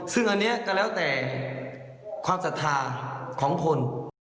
ซึ่งอันนี้ก็แล้วแต่ความศรัทธาของคน